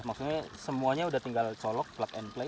maksudnya semuanya sudah tinggal colok plug and play